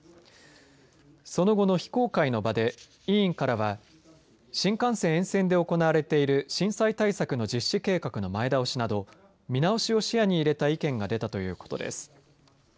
その後の非公開の場で委員からは新幹線沿線で行われている震災対策の実施計画の前倒しなど見直しを視野に入れた意見が出たということです。